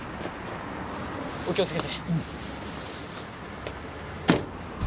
お気をつけて。